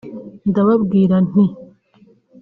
ndababwira nti